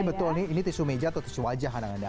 ini betul ini tisu meja atau tisu wajah anak anak